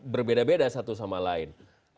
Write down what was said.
berbeda beda satu sama lain